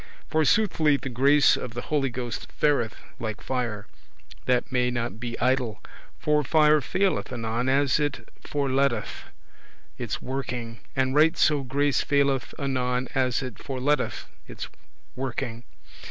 For soothly the grace of the Holy Ghost fareth like fire, that may not be idle; for fire faileth anon as it forleteth [leaveth] its working, and right so grace faileth anon as it forleteth its working.